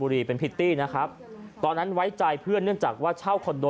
ตอนนั้นไว้ใจเพื่อนเนื่องจากช่าวคอนโดอยู่ด้วย